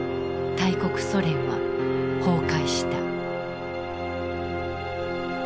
大国ソ連は崩壊した。